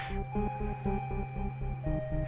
gimana menurut a kang